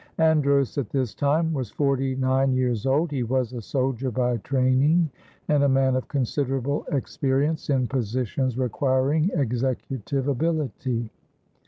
Andros at this time was forty nine years old; he was a soldier by training and a man of considerable experience in positions requiring executive ability.